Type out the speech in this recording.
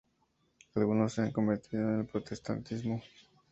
Algunos se han convertido al protestantismo.